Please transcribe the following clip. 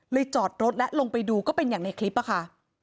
จอดรถและลงไปดูก็เป็นอย่างในคลิปอะค่ะ